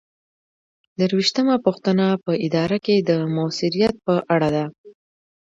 درویشتمه پوښتنه په اداره کې د مؤثریت په اړه ده.